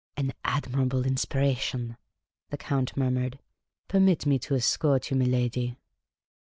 " An admirable inspiration," the Count murmured. *' Permit me to escort you, miladi."